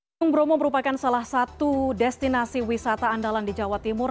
gunung bromo merupakan salah satu destinasi wisata andalan di jawa timur